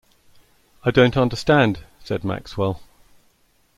“I don’t understand,” said Maxwell.